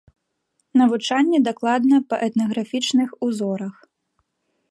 Навучанне дакладна па этнаграфічных узорах.